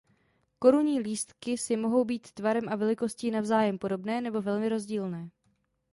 Korunní lístky si mohou být tvarem a velikostí navzájem podobné nebo velmi rozdílné.